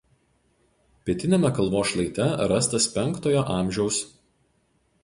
Pietiniame kalvos šlaite rastas V a.